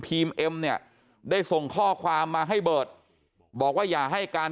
เอ็มเนี่ยได้ส่งข้อความมาให้เบิร์ตบอกว่าอย่าให้การ